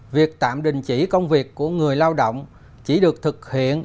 việc tạm đình chỉ công việc của người lao động chỉ được thực hiện